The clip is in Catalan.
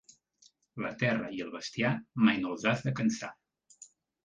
La terra i el bestiar, mai no els has de cansar.